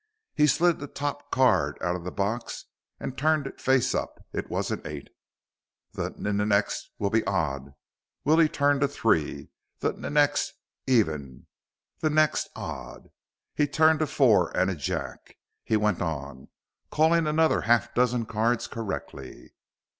He slid the top card out of the box and turned it face up. It was an eight. "The n next will be odd." Willie turned a three. "The n next, even ... the next, odd." He turned a four and a jack. He went on, calling another half dozen cards correctly.